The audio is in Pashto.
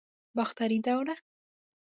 باختري دوره